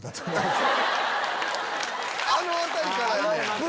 あのあたりからやねん。